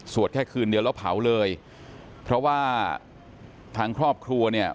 แค่คืนเดียวแล้วเผาเลยเพราะว่าทางครอบครัวเนี่ย